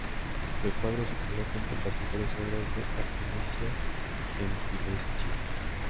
El cuadro se coloca entre las mejores obras de Artemisia Gentileschi.